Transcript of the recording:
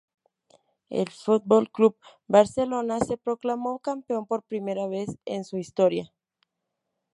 El F. C. Barcelona se proclamó campeón por primera vez en su historia.